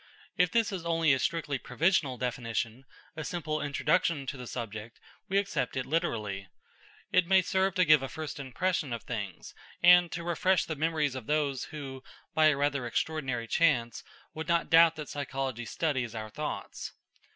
If this is only a strictly provisional definition, a simple introduction to the subject, we accept it literally. It may serve to give us a first impression of things, and to refresh the memories of those who, by a rather extraordinary chance, would not doubt that psychology studies our thoughts.